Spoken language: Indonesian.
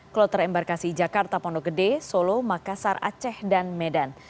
kloter embarkasi jakarta pondok gede solo makassar aceh dan medan